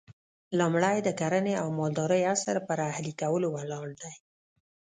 لومړی د کرنې او مالدارۍ عصر پر اهلي کولو ولاړ دی